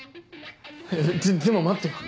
ででも待ってよ。